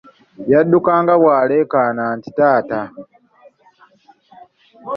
Yadduka nga bw'aleekaana nti, taata!